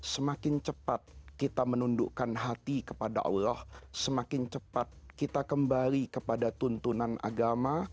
semakin cepat kita menundukkan hati kepada allah semakin cepat kita kembali kepada tuntunan agama